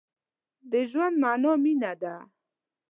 د ژوند مانا مينه ده.